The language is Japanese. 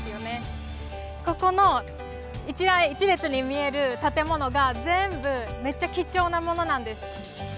ここの一列に見える建物が全部めっちゃ貴重なものなんです。